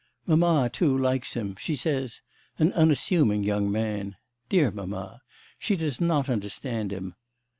'Mamma too likes him; she says: an unassuming young man. Dear mamma! She does not understand him.